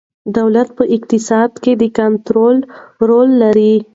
دولت په اقتصاد کې د کنترول رول لري.